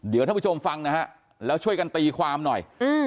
เดี๋ยวท่านผู้ชมฟังนะฮะแล้วช่วยกันตีความหน่อย